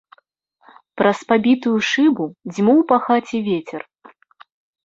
Праз пабітую шыбу дзьмуў па хаце вецер.